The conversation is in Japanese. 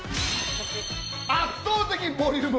圧倒的ボリューム！